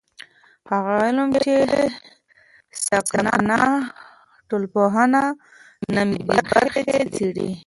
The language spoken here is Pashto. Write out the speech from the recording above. هغه علم چې ساکنه ټولنپوهنه نومیږي برخې څېړي.